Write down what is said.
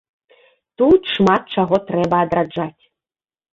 Тут шмат чаго трэба адраджаць.